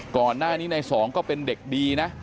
ก่อนหน้านี้ในสองก็เป็นเด็กดีนะ